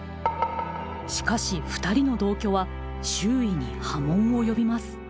しかしふたりの同居は周囲に波紋を呼びます。